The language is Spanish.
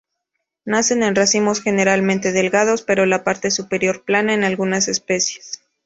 Nacen en racimos, generalmente delgados, pero la parte superior plana en algunas especies.